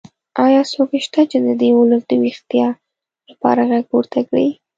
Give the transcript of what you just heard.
ایا څوک شته چې د دې ولس د ویښتیا لپاره غږ پورته کړي؟